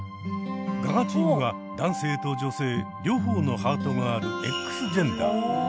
ＧＡＧＡちんは男性と女性両方のハートがあるＸジェンダー。